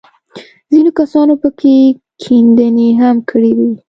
ځينو کسانو پکښې کيندنې هم کړې وې.